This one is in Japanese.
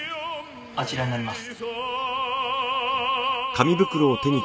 あちらになります。